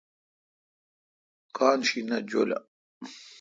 کان شی نہ جولہ۔